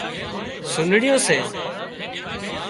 سُنڙيون سي